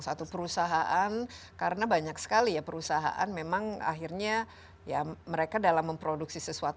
satu perusahaan karena banyak sekali ya perusahaan memang akhirnya ya mereka dalam memproduksi sesuatu